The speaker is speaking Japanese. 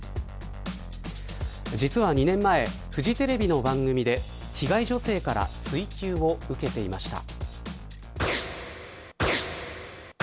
実は２年前、フジテレビの番組で被害女性から追及を受けていました。